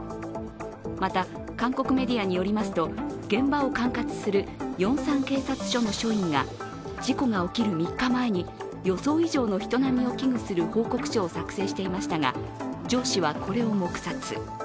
また韓国メディアによりますと、現場を管轄するヨンサン警察署の署員が事故が起きる３日前に予想以上の人波を危惧する報告書を作成していましたが上司はこれを黙殺。